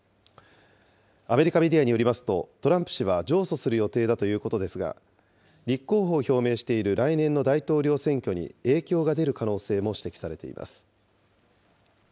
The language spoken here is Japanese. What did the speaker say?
アメリカメディアによりますと、トランプ氏は上訴する予定だということですが、立候補を表明している来年の大統領選挙に、影響が出る可能性も指摘されています。